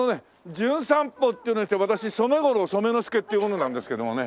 『じゅん散歩』っていうので来た私染五郎染之助っていう者なんですけどもね。